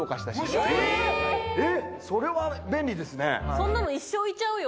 そんなの一生いちゃうよ。